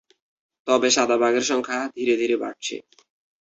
তবে সাদা বাঘের সংখ্যা ধীরে ধীরে বাড়ছে।